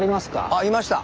あいました。